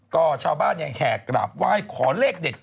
ก็ชาวบ้านยังแห่กราบไหว้ขอเลขเด็ด